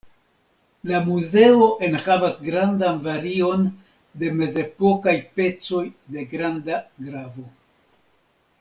La muzeo enhavas grandan varion de mezepokaj pecoj de granda gravo.